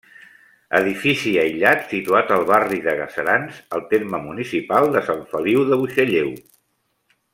Edifici aïllat situat al barri de Gaserans, al terme municipal de Sant Feliu de Buixalleu.